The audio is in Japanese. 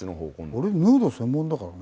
俺ヌード専門だからね。